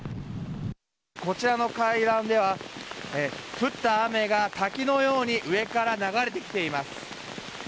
こちらの階段では降った雨が滝のように上から流れてきています。